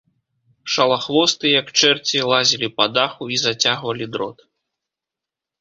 Шалахвосты, як чэрці, лазілі па даху і зацягвалі дрот.